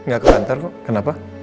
gak ke kantor kok kenapa